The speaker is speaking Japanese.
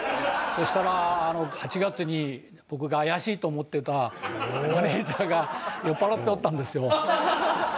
そしたらあの８月に僕が怪しいと思ってたマネジャーが酔っ払っておったんですよ。